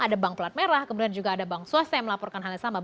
ada bank pelat merah kemudian juga ada bank swasta yang melaporkan hal yang sama